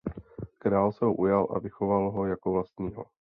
Král se ho ujal a vychoval ho jako vlastního.